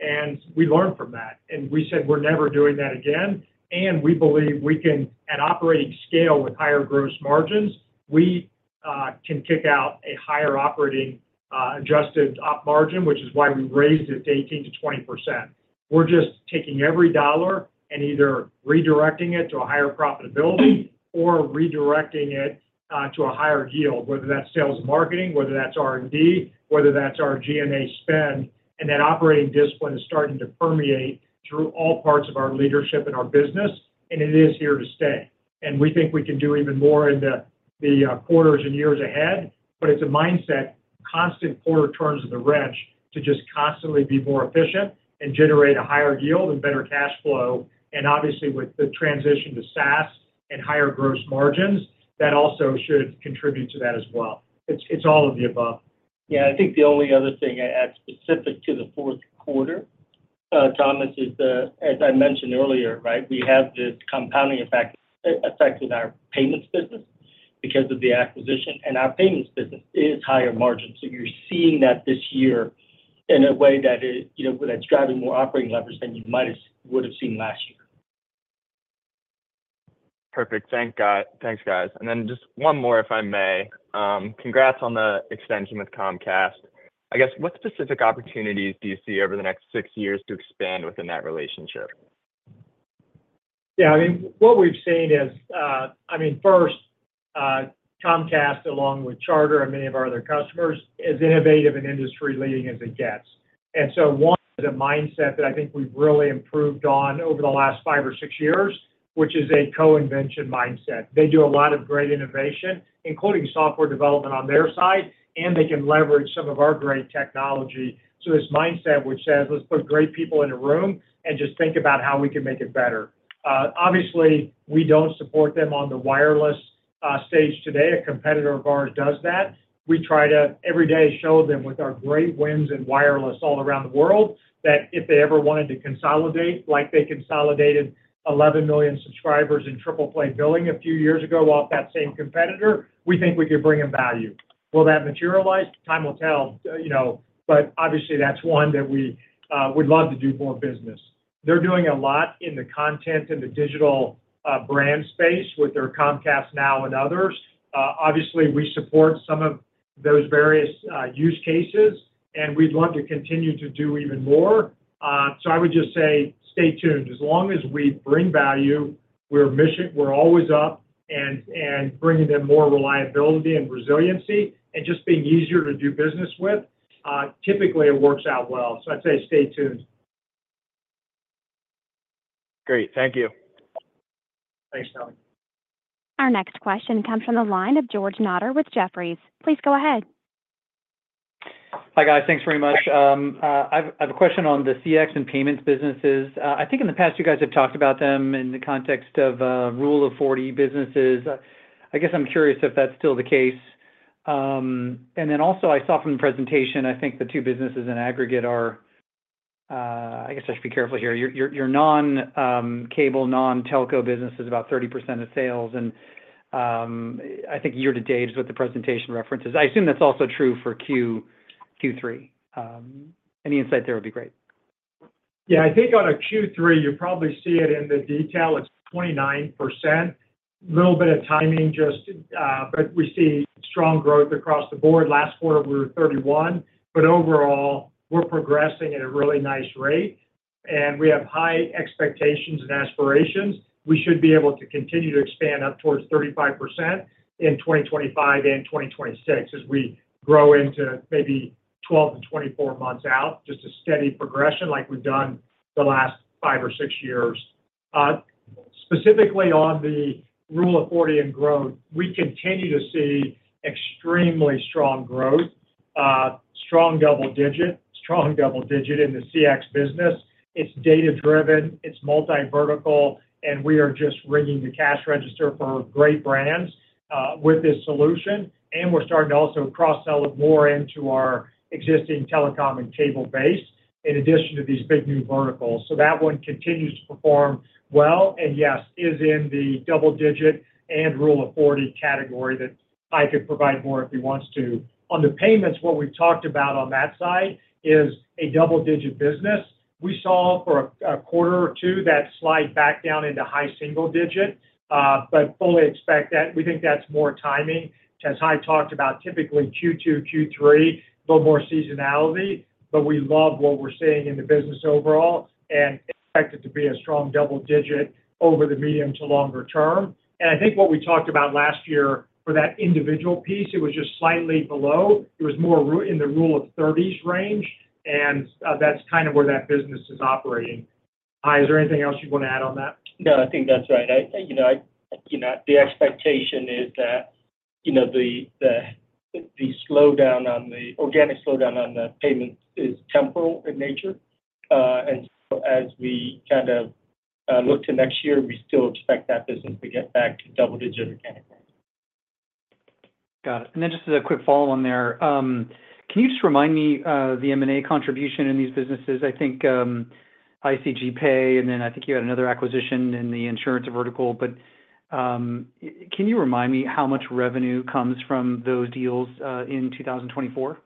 period, and we learned from that. And we said we're never doing that again. And we believe we can, at operating scale with higher gross margins, we can kick out a higher operating adjusted op margin, which is why we raised it to 18%-20%. We're just taking every dollar and either redirecting it to a higher profitability or redirecting it to a higher yield, whether that's sales and marketing, whether that's R&D, whether that's our G&A spend. And that operating discipline is starting to permeate through all parts of our leadership and our business, and it is here to stay. And we think we can do even more in the quarters and years ahead, but it's a mindset, constant quarter turns of the wrench to just constantly be more efficient and generate a higher yield and better cash flow. And obviously, with the transition to SaaS and higher gross margins, that also should contribute to that as well. It's all of the above. Yeah, I think the only other thing specific to the fourth quarter, Thomas, is, as I mentioned earlier, right, we have this compounding effect in our payments business because of the acquisition, and our payments business is higher margins. So you're seeing that this year in a way that's driving more operating leverage than you might have seen last year. Perfect. Thanks, guys. And then just one more, if I may. Congrats on the extension with Comcast. I guess, what specific opportunities do you see over the next six years to expand within that relationship? Yeah. I mean, what we've seen is, I mean, first, Comcast, along with Charter and many of our other customers, is innovative and industry-leading as it gets. One is a mindset that I think we've really improved on over the last five or six years, which is a co-invention mindset. They do a lot of great innovation, including software development on their side, and they can leverage some of our great technology. This mindset, which says, "Let's put great people in a room and just think about how we can make it better." Obviously, we don't support them on the wireless stage today. A competitor of ours does that. We try to every day show them with our great wins in wireless all around the world that if they ever wanted to consolidate, like they consolidated 11 million subscribers in triple-play billing a few years ago off that same competitor, we think we could bring them value. Will that materialize? Time will tell. But obviously, that's one that we would love to do more business. They're doing a lot in the content and the digital brand space with their Comcast NOW and others. Obviously, we support some of those various use cases, and we'd love to continue to do even more. So I would just say, stay tuned. As long as we bring value, we're always up and bringing them more reliability and resiliency and just being easier to do business with, typically it works out well. So I'd say stay tuned. Great. Thank you. Thanks, Tommy. Our next question comes from the line of George Notter with Jefferies. Please go ahead. Hi, guys. Thanks very much. I have a question on the CX and payments businesses. I think in the past, you guys have talked about them in the context of Rule of 40 businesses. I guess I'm curious if that's still the case. And then also, I saw from the presentation, I think the two businesses in aggregate are, I guess I should be careful here. Your non-cable, non-telco business is about 30% of sales, and I think year to date is what the presentation references. I assume that's also true for Q3. Any insight there would be great. Yeah. I think on a Q3, you probably see it in the detail. It's 29%. A little bit of timing just, but we see strong growth across the board. Last quarter, we were 31%, but overall, we're progressing at a really nice rate, and we have high expectations and aspirations. We should be able to continue to expand up towards 35% in 2025 and 2026 as we grow into maybe 12-24 months out, just a steady progression like we've done the last five or six years. Specifically on the Rule of 40 and growth, we continue to see extremely strong growth, strong double digit, strong double digit in the CX business. It's data-driven. It's multi-vertical, and we are just ringing the cash register for great brands with this solution. And we're starting to also cross-sell it more into our existing telecom and cable base in addition to these big new verticals. So that one continues to perform well and, yes, is in the double digit and Rule of 40 category that Hai could provide more if he wants to. On the payments, what we've talked about on that side is a double-digit business. We saw for a quarter or two that slide back down into high single digit, but fully expect that we think that's more timing. As Hai talked about, typically Q2, Q3, a little more seasonality, but we love what we're seeing in the business overall and expect it to be a strong double digit over the medium to longer term. And I think what we talked about last year for that individual piece, it was just slightly below. It was more in the Rule of 30s range, and that's kind of where that business is operating. Hai, is there anything else you want to add on that? No, I think that's right. The expectation is that the organic slowdown on the payments is temporal in nature. And so as we kind of look to next year, we still expect that business to get back to double-digit organically. Got it. And then just as a quick follow-on there, can you just remind me the M&A contribution in these businesses? I think iCG Pay, and then I think you had another acquisition in the insurance vertical. But can you remind me how much revenue comes from those deals in 2024?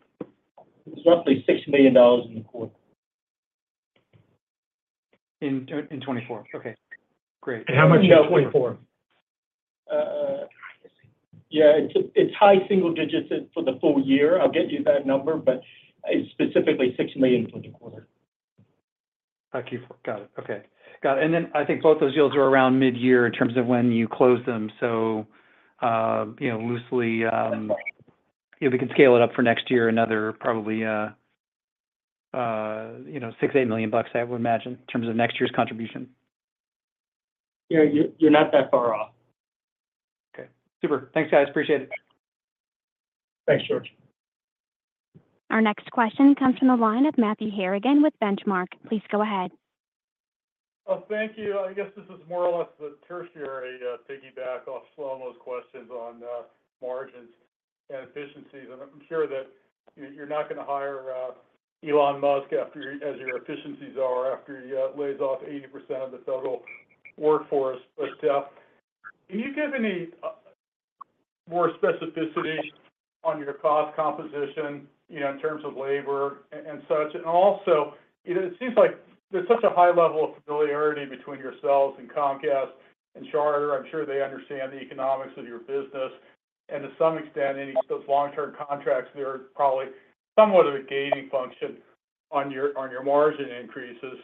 It's roughly $6 million in the quarter. In 2024. Okay. Great. And how much in 2024? Yeah. It's high single digits for the full year. I'll get you that number, but it's specifically $6 million for the quarter. Got it. Okay. Got it. And then I think both those deals were around mid-year in terms of when you closed them. So loosely, we can scale it up for next year, another probably $6 million-$8 million, I would imagine, in terms of next year's contribution. Yeah. You're not that far off. Okay. Super. Thanks, guys. Appreciate it. Thanks, George. Our next question comes from the line of Matthew Harrigan with Benchmark. Please go ahead. Well, thank you. I guess this is more or less the tertiary piggyback off Shlomo's questions on margins and efficiencies. And I'm sure that you're not going to hire Elon Musk as your efficiency czar after he lays off 80% of the federal workforce. But can you give any more specificity on your cost composition in terms of labor and such? And also, it seems like there's such a high level of familiarity between yourselves and Comcast and Charter. I'm sure they understand the economics of your business. And to some extent, any of those long-term contracts, they're probably somewhat of a gating function on your margin increases,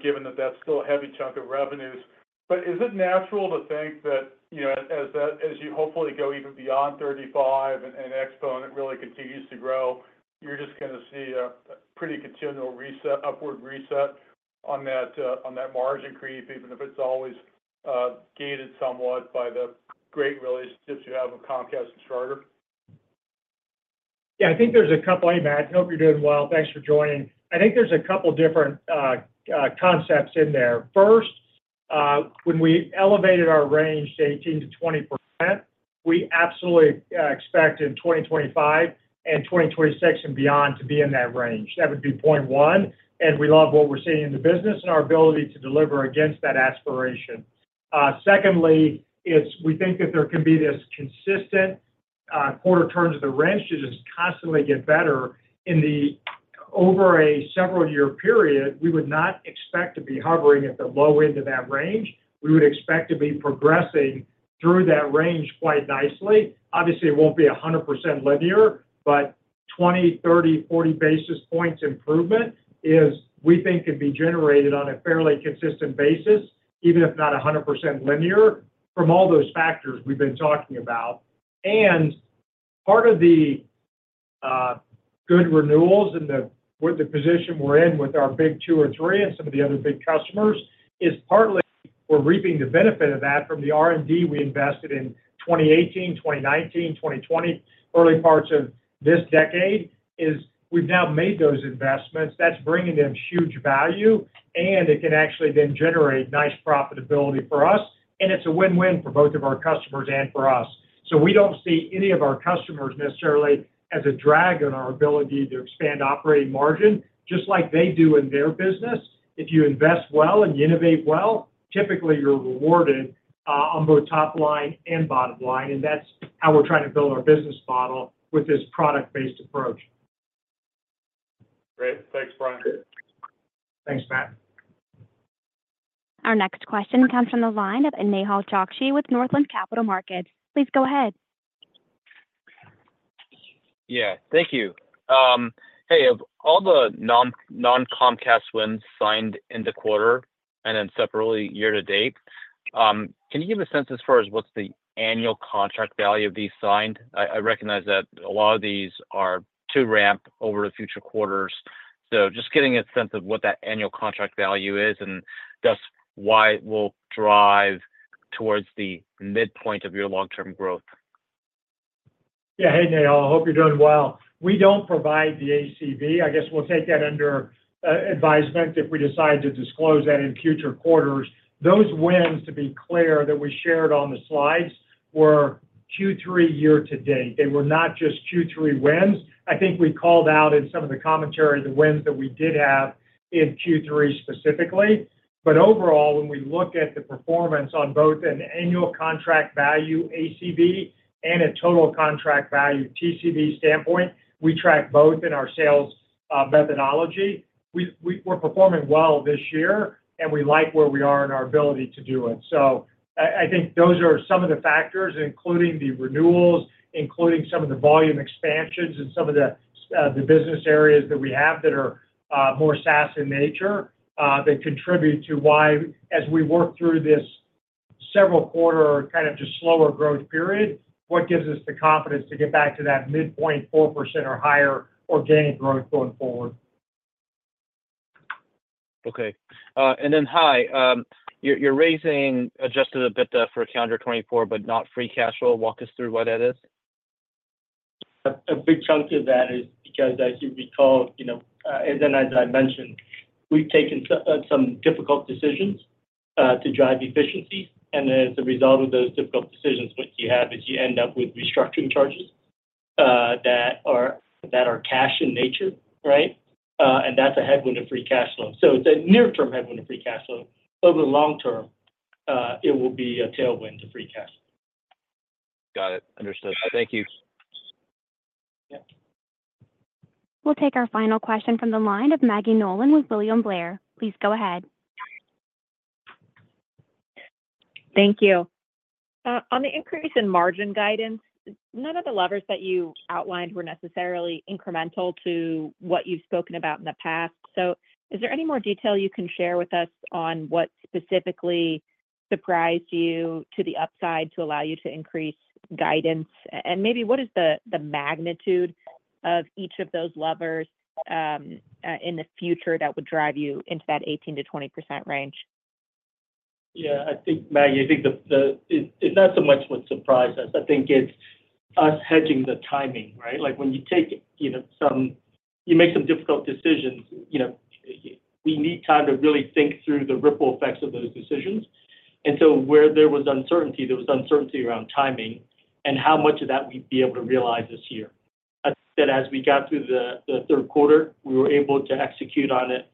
given that that's still a heavy chunk of revenues. But is it natural to think that as you hopefully go even beyond 35 and Xponent really continues to grow, you're just going to see a pretty continual upward reset on that margin creep, even if it's always gated somewhat by the great relationships you have with Comcast and Charter? Yeah. I think there's a couple. Hey, Matt. I hope you're doing well. Thanks for joining. I think there's a couple of different concepts in there. First, when we elevated our range to 18%-20%, we absolutely expect in 2025 and 2026 and beyond to be in that range. That would be point one. And we love what we're seeing in the business and our ability to deliver against that aspiration. Secondly, we think that there can be this consistent quarter turns of the wrench to just constantly get better. In the over a several-year period, we would not expect to be hovering at the low end of that range. We would expect to be progressing through that range quite nicely. Obviously, it won't be 100% linear, but 20, 30, 40 basis points improvement is, we think, can be generated on a fairly consistent basis, even if not 100% linear, from all those factors we've been talking about. And part of the good renewals and the position we're in with our big two or three and some of the other big customers is partly we're reaping the benefit of that from the R&D we invested in 2018, 2019, 2020, early parts of this decade is we've now made those investments. That's bringing them huge value, and it can actually then generate nice profitability for us. And it's a win-win for both of our customers and for us. So we don't see any of our customers necessarily as a drag on our ability to expand operating margin, just like they do in their business. If you invest well and you innovate well, typically you're rewarded on both top line and bottom line and that's how we're trying to build our business model with this product-based approach. Great. Thanks, Brian. Thanks, Matt. Our next question comes from the line of Nehal Chokshi with Northland Capital Markets. Please go ahead. Yeah. Thank you. Hey, of all the non-Comcast wins signed in the quarter and then separately year to date, can you give a sense as far as what's the annual contract value of these signed? I recognize that a lot of these are to ramp over the future quarters. So just getting a sense of what that annual contract value is and thus why it will drive towards the midpoint of your long-term growth. Yeah. Hey, Nehal. I hope you're doing well. We don't provide the ACV. I guess we'll take that under advisement if we decide to disclose that in future quarters. Those wins, to be clear, that we shared on the slides were Q3 year to date. They were not just Q3 wins. I think we called out in some of the commentary the wins that we did have in Q3 specifically. But overall, when we look at the performance on both an annual contract value ACV and a total contract value TCV standpoint, we track both in our sales methodology. We're performing well this year, and we like where we are in our ability to do it. I think those are some of the factors, including the renewals, including some of the volume expansions and some of the business areas that we have that are more SaaS in nature that contribute to why, as we work through this several-quarter kind of just slower growth period, what gives us the confidence to get back to that midpoint 4% or higher organic growth going forward. Okay. And then, Hai, you're raising adjusted EBITDA for calendar 2024, but not free cash flow. Walk us through why that is? A big chunk of that is because, as you recall, and then, as I mentioned, we've taken some difficult decisions to drive efficiencies, and as a result of those difficult decisions, what you have is you end up with restructuring charges that are cash in nature, right, and that's a headwind to free cash flow, so it's a near-term headwind to free cash flow. Over the long term, it will be a tailwind to free cash flow. Got it. Understood. Thank you. We'll take our final question from the line of Maggie Nolan with William Blair. Please go ahead. Thank you. On the increase in margin guidance, none of the levers that you outlined were necessarily incremental to what you've spoken about in the past. So is there any more detail you can share with us on what specifically surprised you to the upside to allow you to increase guidance? And maybe what is the magnitude of each of those levers in the future that would drive you into that 18%-20% range? Yeah. I think, Maggie, I think it's not so much what surprised us. I think it's us hedging the timing, right? When you make some difficult decisions, we need time to really think through the ripple effects of those decisions, so where there was uncertainty around timing and how much of that we'd be able to realize this year. I think that as we got through the third quarter, we were able to execute on it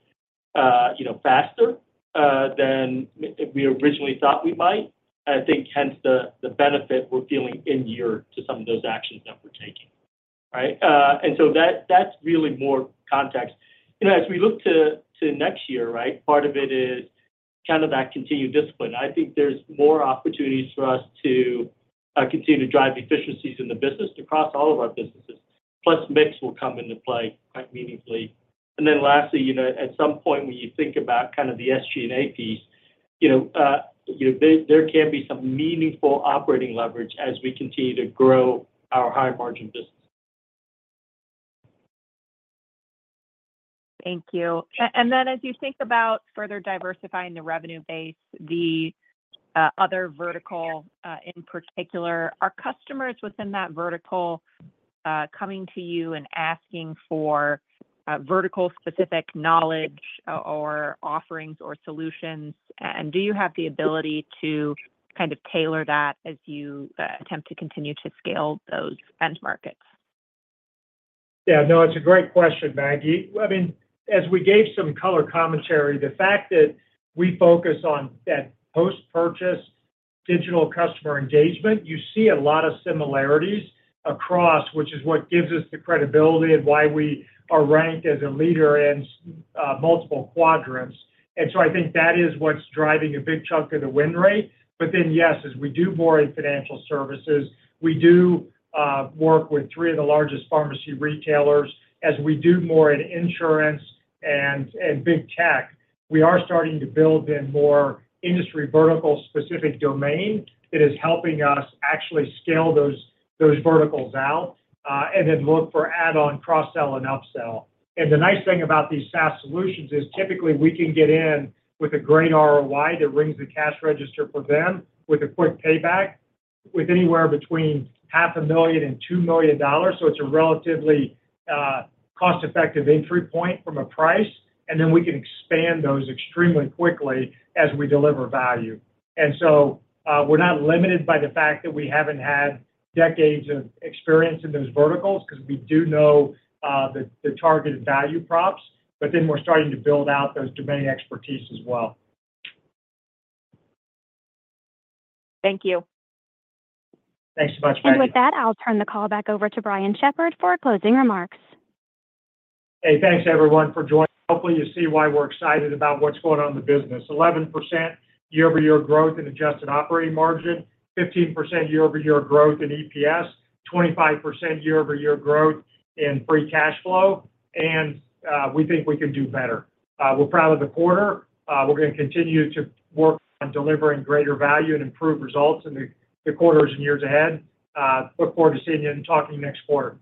faster than we originally thought we might. I think hence the benefit we're feeling in year to some of those actions that we're taking, right, so that's really more context. As we look to next year, right, part of it is kind of that continued discipline. I think there's more opportunities for us to continue to drive efficiencies in the business across all of our businesses. Plus, mix will come into play quite meaningfully. And then lastly, at some point, when you think about kind of the SG&A piece, there can be some meaningful operating leverage as we continue to grow our high-margin business. Thank you. And then, as you think about further diversifying the revenue base, the other vertical in particular, are customers within that vertical coming to you and asking for vertical-specific knowledge or offerings or solutions? And do you have the ability to kind of tailor that as you attempt to continue to scale those markets? Yeah. No, it's a great question, Maggie. I mean, as we gave some color commentary, the fact that we focus on that post-purchase digital customer engagement, you see a lot of similarities across, which is what gives us the credibility and why we are ranked as a leader in multiple quadrants, and so I think that is what's driving a big chunk of the win rate, but then, yes, as we do more in financial services, we do work with three of the largest pharmacy retailers. As we do more in insurance and big tech, we are starting to build in more industry vertical-specific domain that is helping us actually scale those verticals out and then look for add-on, cross-sell, and upsell. And the nice thing about these SaaS solutions is typically we can get in with a great ROI that rings the cash register for them with a quick payback with anywhere between $500,000 and $2 million. So it's a relatively cost-effective entry point from a price. And then we can expand those extremely quickly as we deliver value. And so we're not limited by the fact that we haven't had decades of experience in those verticals because we do know the targeted value props. But then we're starting to build out those domain expertise as well. Thank you. Thanks so much, Maggie. And with that, I'll turn the call back over to Brian Shepherd for closing remarks. Hey, thanks, everyone, for joining. Hopefully, you see why we're excited about what's going on in the business. 11% year-over-year growth in adjusted operating margin, 15% year-over-year growth in EPS, 25% year-over-year growth in free cash flow. And we think we can do better. We're proud of the quarter. We're going to continue to work on delivering greater value and improved results in the quarters and years ahead. Look forward to seeing you and talking next quarter.